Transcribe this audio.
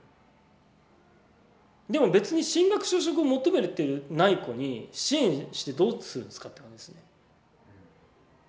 でも別に進学就職を求めてない子に支援してどうするんですかって感じですね。